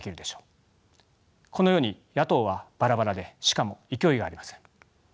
このように野党はバラバラでしかも勢いがありません。